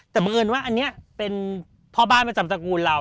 แต่บังเอิญว่าอันนี้เป็นพ่อบ้านประจำตระกูลเรา